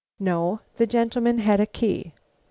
"No; the gentleman had a key."